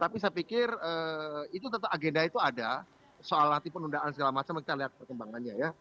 tapi saya pikir itu tentu agenda itu ada soal nanti penundaan segala macam kita lihat perkembangannya ya